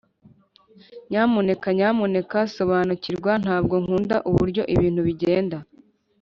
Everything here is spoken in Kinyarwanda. nyamuneka nyamuneka sobanukirwa ntabwo nkunda uburyo ibintu bigenda.